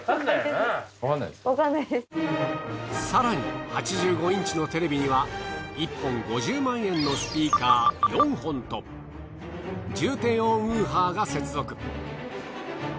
更に８５インチのテレビには１本５０万円のスピーカー４本と重低音ウーハーが接続。